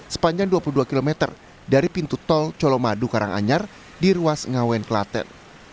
sepanjang dua puluh dua km dari pintu tol colomadu karanganyar di ruas ngawen klaten